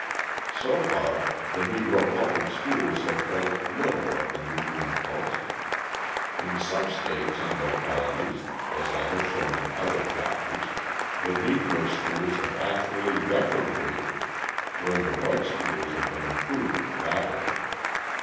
So far, the Negro public schools have felt little of the new impulse; in some states and localities, as I have shown in other chapters, the Negro schools have actually retrograded, where the white schools have been improving rapidly.